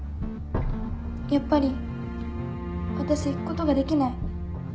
やっぱり私行くことができない